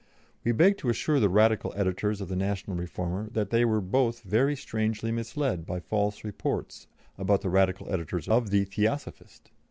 We beg to assure the Radical editors of the National Reformer that they were both very strangely misled by false reports about the Radical editors of the Theosophist.